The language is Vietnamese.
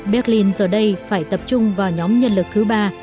berlin giờ đây phải tập trung vào nhóm nhân lực thứ ba